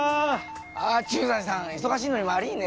あっ駐在さん忙しいのに悪いね。